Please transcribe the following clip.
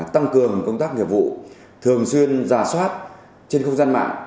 tăng cường công tác nghiệp vụ thường xuyên giả soát trên không gian mạng